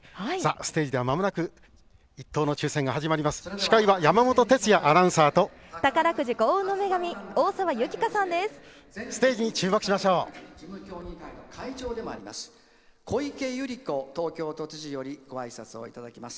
ステージでは、まもなく１等の抽せんが始まります。